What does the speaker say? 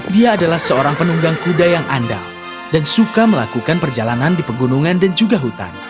dia adalah seorang penunggang kuda yang andal dan suka melakukan perjalanan di pegunungan dan juga hutan